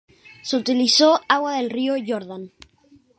Se utilizó agua del río Jordán.